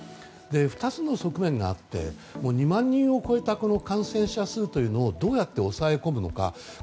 ２つの側面があって２万人を超えた感染者数というのをどうやって抑え込むのか。